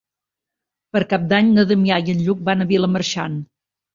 Per Cap d'Any na Damià i en Lluc van a Vilamarxant.